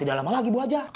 udah lama lagi bu aja